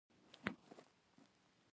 په غوږ اورېدنه علم ته دروازه ده